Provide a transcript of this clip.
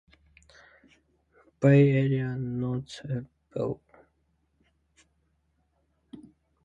Bay Area notables.